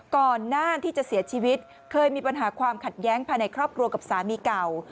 ก่อนหน้าที่จะเสียชีวิตเคยมีปัญหาความขัดแย้งภายในครอบครัวกับสามีเก่า